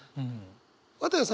綿矢さん